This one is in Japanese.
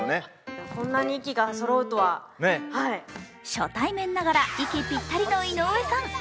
初対面ながら息ぴったりの井上さん。